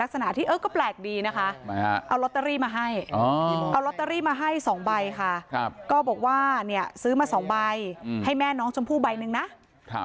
สรุปลอตเตอรี่มาให้๒ใบค่ะก็บอกว่าเนี่ยซึ้งมาสองใบให้แม่น้องชมพู่ใบหนึ่งนะ